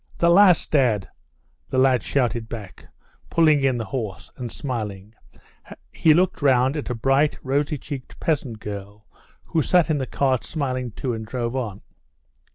"The last, dad!" the lad shouted back, pulling in the horse, and, smiling, he looked round at a bright, rosy checked peasant girl who sat in the cart smiling too, and drove on.